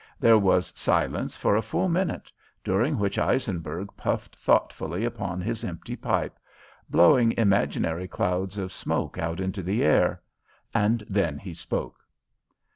There was silence for a full minute, during which Eisenberg puffed thoughtfully upon his empty pipe, blowing imaginary clouds of smoke out into the air, and then he spoke.